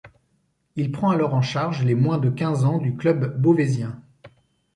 Il prend alors en charge les moins de quinze ans du club beauvaisien.